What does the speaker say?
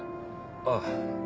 ああ。